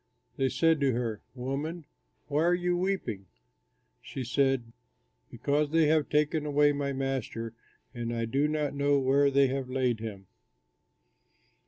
They said to her, "Woman, why are you weeping?" She said, "Because they have taken away my Master and I do not know where they have laid him!"